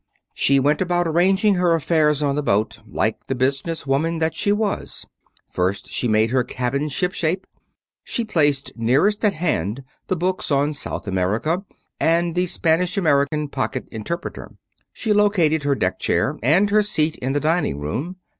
She went about arranging her affairs on the boat like the business woman that she was. First she made her cabin shipshape. She placed nearest at hand the books on South America, and the Spanish American pocket interpreter. She located her deck chair, and her seat in the dining room.